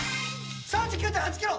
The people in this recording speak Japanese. ３９．８キロ！